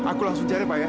aku langsung cari pak ya